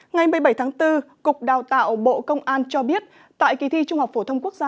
ngày một mươi bảy tháng bốn cục đào tạo bộ công an cho biết tại kỳ thi trung học phổ thông quốc gia